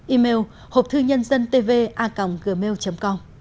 email hộp thư nhân dân tv a gmail com